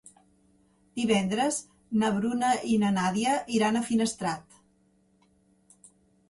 Divendres na Bruna i na Nàdia iran a Finestrat.